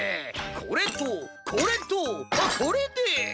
これとこれとあこれで。